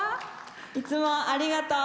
いつもありがとう。